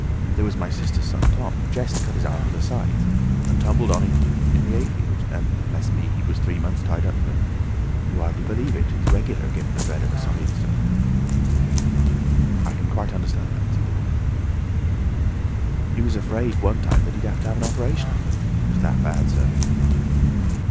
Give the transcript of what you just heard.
... There was my sister's son, Tom, jest cut his arm with a scythe, tumbled on it in the 'ayfield, and, bless me! he was three months tied up sir. You'd hardly believe it. It's regular given me a dread of a scythe, sir." "I can quite understand that," said the visitor. "He was afraid, one time, that he'd have to have an op'ration—he was that bad, sir."